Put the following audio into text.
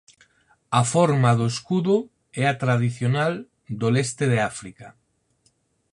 A forma do escudo é a tradicional do leste de África.